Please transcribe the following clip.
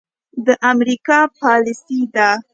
د امريکا پاليسي ده.